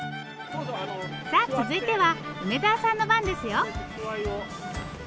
さあ続いては梅沢さんの番ですよ。